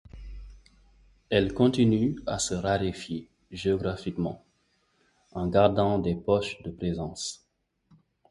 Elle continue à se raréfier géographiquement, en gardant des poches de présence.